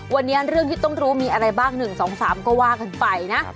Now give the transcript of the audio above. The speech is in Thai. วันนี้เรื่องที่ต้องรู้มีอะไรบ้าง๑๒๓ก็ว่ากันไปนะ